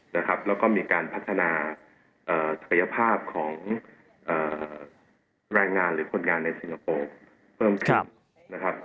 แล้วก็มีการพัฒนาศักยภาพของแรงงานหรือคนงานในสิงคโปร์เพิ่มขึ้นนะครับ